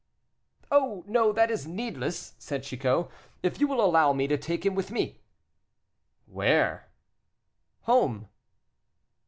"Oh! no, that is needless," said Chicot, "if you will allow me to take him with me." "Where?" "Home."